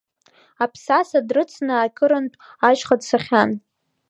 Аԥсаса дрыцны акырынтә ашьха дцахьан.